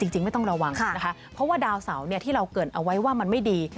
จริงไม่ต้องระวังนะคะเพราะว่าดาวเสาที่เราเกิดเอาไว้ว่ามันไม่ดี